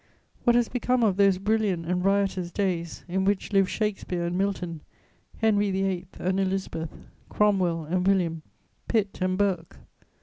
What has become of those brilliant and riotous days in which lived Shakespeare and Milton, Henry VIII. and Elizabeth, Cromwell and William, Pitt and Burke?